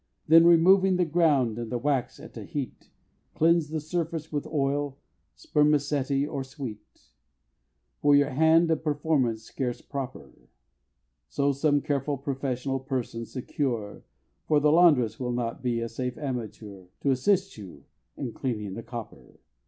Then removing the ground and the wax at a heat, Cleanse the surface with oil, spermaceti or sweet, For your hand a performance scarce proper So some careful professional person secure For the Laundress will not be a safe amateur To assist you in cleaning the copper.